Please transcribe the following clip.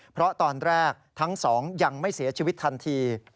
เพราะตอนแรกทั้งสองยังไม่เสียชีวิตทันที